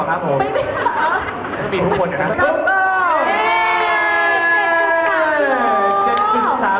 ไม่มีทุกคน